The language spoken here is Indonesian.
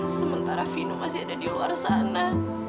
sementara vino masih ada di luar sana